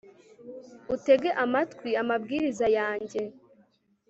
utege amatwi amabwiriza yanjye,